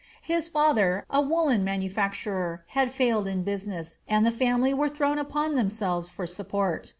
His father, a woolen manufacturer, had failed in business, and the family were thrown upon themselves for support.